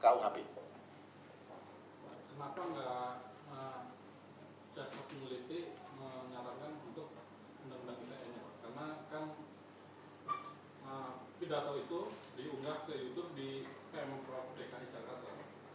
karena kan pidato itu diunggah ke yudhus di pm pro dki jakarta